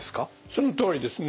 そのとおりですね。